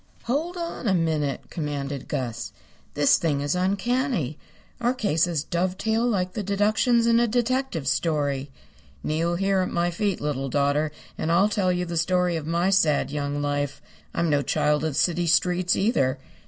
"Hold on a minute," commanded Gus. "This thing is uncanny. Our cases dovetail like the deductions in a detective story. Kneel here at my feet, little daughter, and I'll tell you the story of my sad young life. I'm no child of the city streets, either.